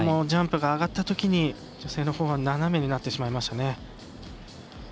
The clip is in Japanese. ジャンプが上がったときに女性のほうが斜めになってしまいましたね。